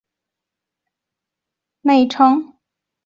色麻町是位于宫城县西北部加美郡的一町。